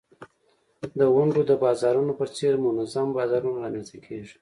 د ونډو د بازارونو په څېر منظم بازارونه رامینځته کیږي.